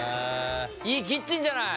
いいキッチンじゃない！